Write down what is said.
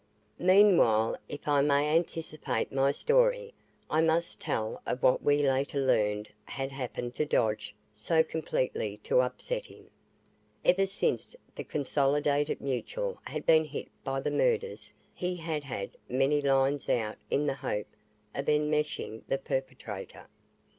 .... Meanwhile, if I may anticipate my story, I must tell of what we later learned had happened to Dodge so completely to upset him. Ever since the Consolidated Mutual had been hit by the murders, he had had many lines out in the hope of enmeshing the perpetrator.